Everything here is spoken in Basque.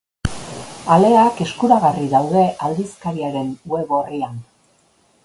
Aleak eskuragarri daude aldizkariaren web-orrian.